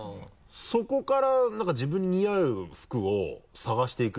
そこからなんか自分に似合う服を探していくみたいな。